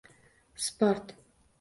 Sport